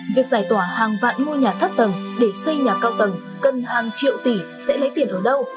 việc giải tỏa hàng vạn ngôi nhà thấp tầng để xây nhà cao tầng cần hàng triệu tỷ sẽ lấy tiền ở đâu